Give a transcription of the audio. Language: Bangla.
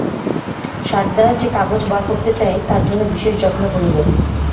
সারদা যে কাগজ বার করতে চায়, তার জন্য বিশেষ যত্ন করিবে।